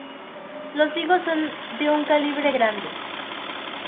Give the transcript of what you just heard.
Los higos son de un calibre grande.